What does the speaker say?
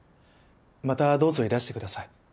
またどうぞいらしてください。